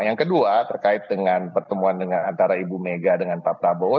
yang kedua terkait dengan pertemuan antara ibu mega dengan pak prabowo